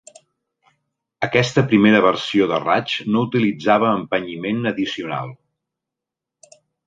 Aquesta primera versió de raig no utilitzava empenyiment addicional.